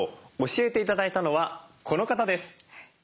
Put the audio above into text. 教えて頂いたのはこの方です。